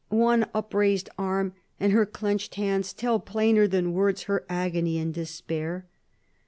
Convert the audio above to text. One upraised arm and her clenched hands tell plainer than words her agony and despair.